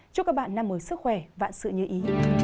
chúc các bạn năm mới sức khỏe và sự như ý